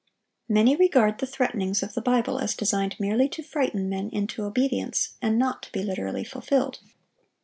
Many regard the threatenings of the Bible as designed merely to frighten men into obedience, and not to be literally fulfilled.